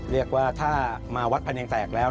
เรียกว่าถ้ามาวัดพะเนียงแตกแล้ว